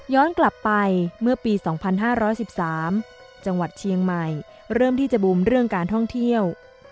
กลับไปเมื่อปี๒๕๑๓จังหวัดเชียงใหม่เริ่มที่จะบูมเรื่องการท่องเที่ยว